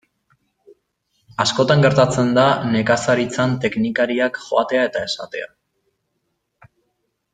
Askotan gertatzen da nekazaritzan teknikariak joatea eta esatea.